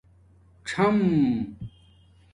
څیم